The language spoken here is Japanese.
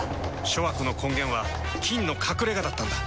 諸悪の根源は「菌の隠れ家」だったんだ。